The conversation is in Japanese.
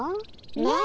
ねえ！